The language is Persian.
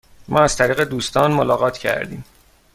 ما از طریق دوستان ملاقات کردیم.